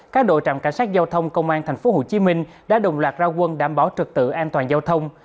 các đội trạm cảnh sát giao thông công an tp hcm đã đồng loạt ra quân đảm bảo trực tự an toàn giao thông